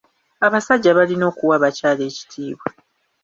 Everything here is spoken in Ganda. Abasajja balina okuwa abakyala ekitiibwa.